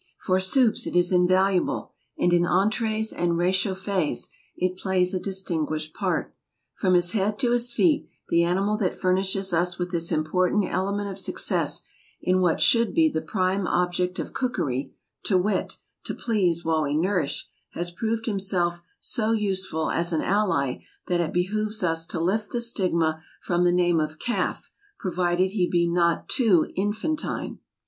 For soups it is invaluable, and in entrees and réchauffés it plays a distinguished part. From his head to his feet, the animal that furnishes us with this important element of success in what should be the prime object of cookery, to wit, to please while we nourish, has proved himself so useful as an ally that it behooves us to lift the stigma from the name of "calf," provided he be not too infantine.